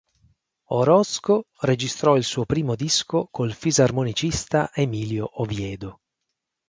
Orozco registrò il suo primo disco col fisarmonicista Emilio Oviedo.